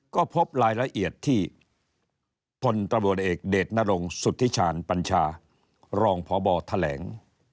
ก็พบรายละเอียดที่พลตำรวจเอกเดชนรงสุธิชาญปัญชารองพบแถลง